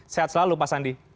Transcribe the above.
sehat selalu pak sandi